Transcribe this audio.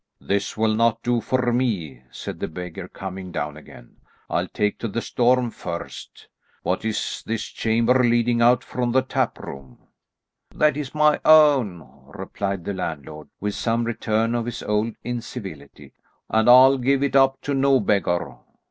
"This will not do for me," said the beggar, coming down again. "I'll take to the storm first. What is this chamber leading out from the tap room?" "That is my own," replied the landlord, with some return of his old incivility, "and I'll give it up to no beggar."